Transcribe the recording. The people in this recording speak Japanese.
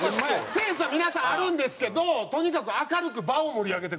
センスは皆さんあるんですけどとにかく明るく場を盛り上げてくれる。